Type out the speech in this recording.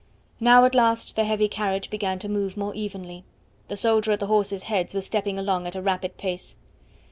Now at last the heavy carriage began to move more evenly. The soldier at the horses' heads was stepping along at a rapid pace.